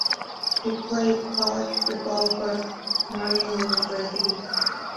He played college football for Marian University.